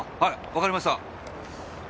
わかりました。